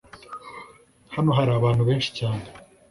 hano hari abantu benshi cyane